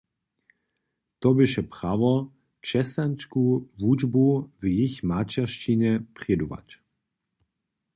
To běše prawo, křesćansku wučbu w jich maćeršćinje prědować.